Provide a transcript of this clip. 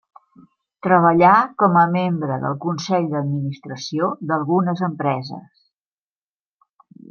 Treballà com a membre del Consell d'Administració d'algunes empreses.